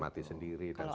mati sendiri dan sebagainya